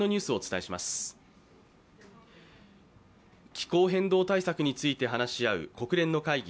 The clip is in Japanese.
気候変動対策について話し合う国連の会議